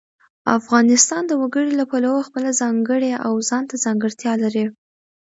افغانستان د وګړي له پلوه خپله ځانګړې او ځانته ځانګړتیا لري.